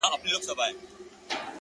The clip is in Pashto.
• زوی یې وویل چټک نه سمه تللای ,